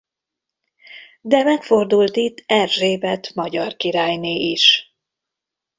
De megfordult itt Erzsébet magyar királyné is.